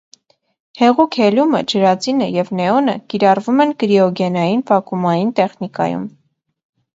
Հեղուկ հելիումը, ջրածինը և նեոնը կիրառվում են կրիոգենային վակուումային տեխնիկայում։